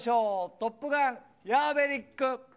トップガンヤーベリック！